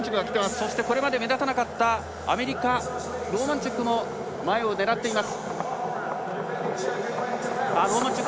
そして、これまで目立たなかったアメリカローマンチャックも前を狙っています。